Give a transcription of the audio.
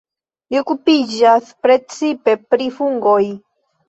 Li okupiĝas precipe pri fungoj.